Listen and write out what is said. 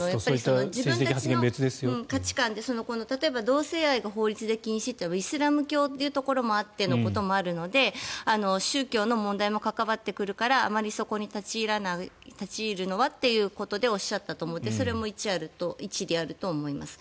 自分たちの価値観で例えば、同性愛が法律で禁止というのもイスラム教徒いうこともあるので宗教の問題も関わってくるからあまりそこに立ち入るのはということでおっしゃったと思ってそれも一理あると思います。